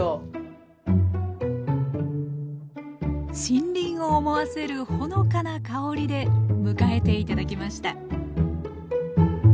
森林を思わせるほのかな香りで迎えて頂きました